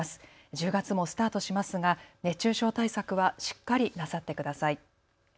１０月もスタートしますが熱中症対策はしっかりなさってください。